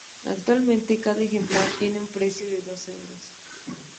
Actualmente cada ejemplar tiene un precio de dos euros.